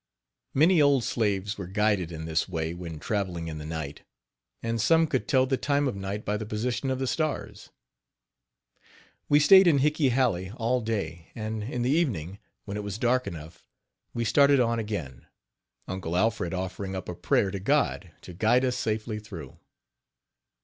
Many old slaves were guided in this way when traveling in the night, and some could tell the time of night by the position of the stars. We stayed in Hicke Halley all day, and in the evening, when it was dark enough, we started on again, Uncle Alfred offering up a prayer to God to guide us safely through.